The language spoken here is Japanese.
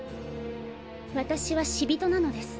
私は死人なのです。